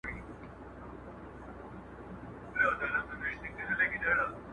څوك به بېرته لوپټه د خور پر سر كي!!